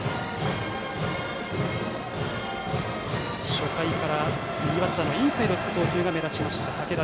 初回から右バッターのインサイドを突く投球が目立っている竹田。